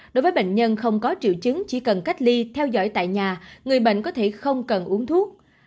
đối với bệnh nhân không có triệu chứng chỉ cần cách ly theo dõi tại nhà người bệnh có thể không cần uống thuốc